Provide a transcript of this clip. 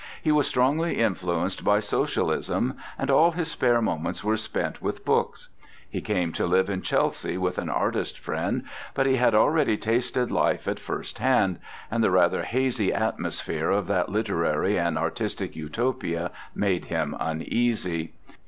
He was strongly influenced by socialism, and all his spare moments were spent with books. He came to live in Chelsea with an artist friend, but he had already tasted life at first hand, and the rather hazy atmosphere of that literary and artistic Utopia made him uneasy.